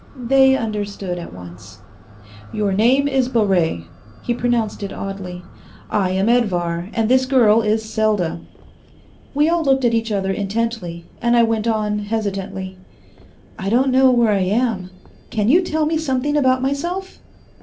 They understood at once. "Your name is Baret." He pronounced it oddly. "I am Edvar, and this girl is Selda." We all looked at each other intently, and I went on hesitantly. "I don't know where I am. Can you tell me something about myself?"